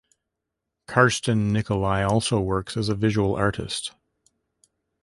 Carsten Nicolai also works as a visual artist.